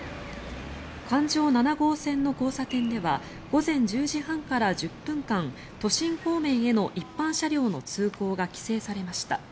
環状７号線の交差点では午前１０時半から１０分間都心方面への一般車両の通行が規制されました。